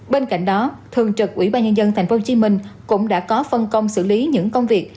bên cạnh đó thường trực ủy ban nhân dân tp hcm cũng đã có phân công xử lý những công việc